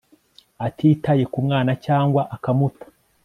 atitaye ku mwana cyangwa akamuta